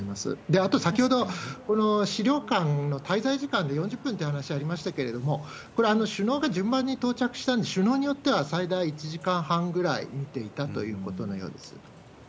あと、先ほど、この資料館の滞在時間で４０分という話がありましたけれども、これ、首脳が順番に到着したんで、首脳によっては最大１時間半ぐらい見ていたということのようです。